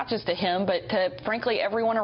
tapi untuk semua orang di sekitar dia